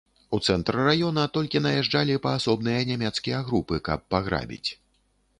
У цэнтр раёна толькі наязджалі паасобныя нямецкія групы, каб паграбіць.